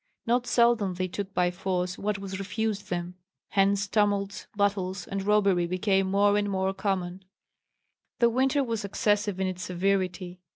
Not seldom they took by force what was refused them; hence tumults, battles, and robbery became more and more common. The winter was excessive in its severity.